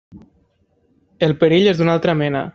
El perill és d'una altra mena.